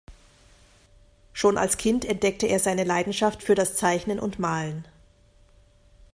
Schon als Kind entdeckte er seine Leidenschaft für das Zeichnen und Malen.